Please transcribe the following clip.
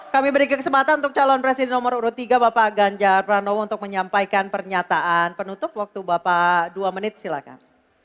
kami beri kesempatan untuk calon presiden nomor urut tiga bapak ganjar pranowo untuk menyampaikan pernyataan penutup waktu bapak dua menit silahkan